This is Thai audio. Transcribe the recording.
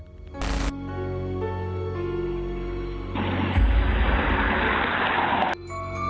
โปรดติดตามตอนต่อไป